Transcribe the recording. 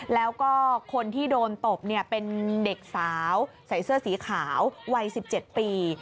แล้วก็คนที่โดนตบเป็นเด็กสาวใส่เสื้อสีขาววัย๑๗ปี